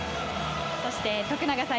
そして、徳永さん。